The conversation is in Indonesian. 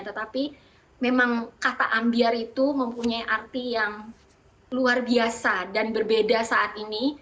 tetapi memang kata ambiar itu mempunyai arti yang luar biasa dan berbeda saat ini